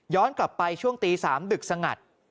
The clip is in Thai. กลับไปช่วงตี๓ดึกสงัด